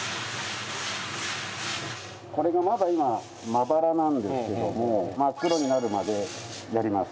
これがまだ今まばらなんですけども真っ黒になるまでやります。